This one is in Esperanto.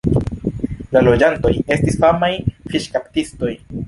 La loĝantoj estis famaj fiŝkaptistoj.